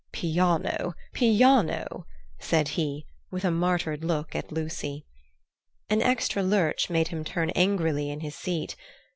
"Piano! piano!" said he, with a martyred look at Lucy. An extra lurch made him turn angrily in his seat.